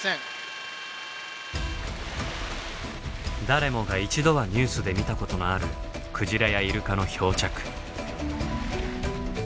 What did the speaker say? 誰もが一度はニュースで見たことのあるクジラやイルカの漂着。